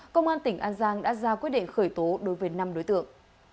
công an tỉnh an giang đã ra quyết định khởi tố đối với năm đối tượng